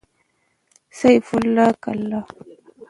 سيف الله کلا